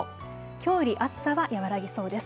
きょうより暑さは和らぎそうです。